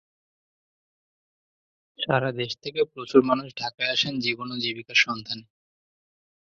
সারা দেশ থেকে প্রচুর মানুষ ঢাকায় আসেন জীবন ও জীবিকার সন্ধানে।